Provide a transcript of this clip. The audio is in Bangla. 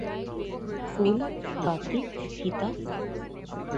ফুল, বাতি, ফিতা?